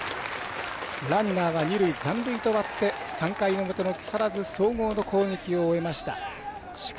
ランナーは二塁残塁と終わって３回表の木更津総合の攻撃を終えました。